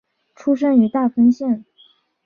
出身于大分县。